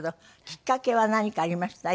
きっかけは何かありました？